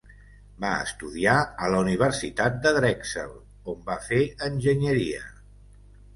Va estudiar a la universitat de Drexel, on va fer enginyeria.